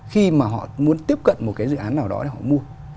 khi mà họ muốn tiếp cận một cái dự án nào đó để họ mua